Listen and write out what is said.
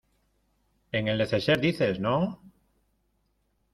en el neceser dices, ¿ no?